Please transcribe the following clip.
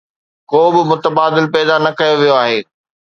ڪوبه متبادل پيدا نه ڪيو ويو آهي.